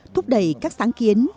thúc đẩy các sáng kiến